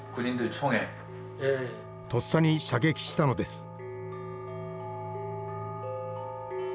とっさに射撃したのです。